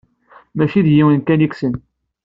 Mačči d yiwen kan i kksen.